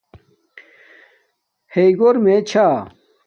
ہیݵ گھور میے چھا